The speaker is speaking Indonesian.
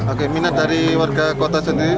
oke minat dari warga kota sendiri